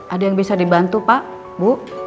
ada yang bisa dibantu pak bu